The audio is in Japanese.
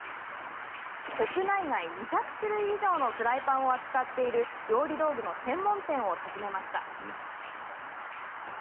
国内外２００種類以上のフライパンを扱っている料理道具の専門店を訪ねました。